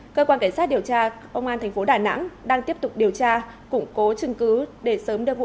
cơ quan cảnh sát điều tra ông an thành phố đà nẵng đang tiếp tục điều tra củng cố chứng cứ để sớm đưa vụ án xét xử trước pháp luật